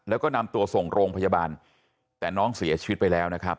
แล้วก็นำตัวส่งโรงพยาบาลแต่น้องเสียชีวิตไปแล้วนะครับ